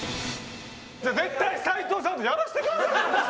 絶対斉藤さんとやらせてくださいよ！